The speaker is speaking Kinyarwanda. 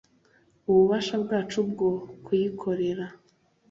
ububasha bwacu bwo kuyikorera,